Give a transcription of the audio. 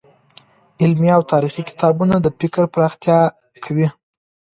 علمي او تاريخي کتابونه د فکر پراختيا کوي.